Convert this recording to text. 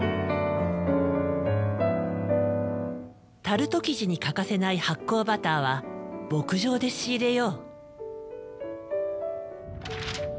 タルト生地に欠かせない発酵バターは牧場で仕入れよう。